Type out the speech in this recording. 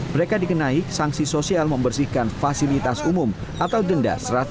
mereka dikenai sanksi sosial membersihkan fasilitas umum atau denda